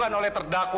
anggota bitailedu altio